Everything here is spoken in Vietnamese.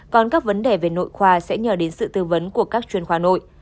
còn các vấn đề về nội khoa sẽ nhờ đến sự tư vấn của các chuyên khoa nội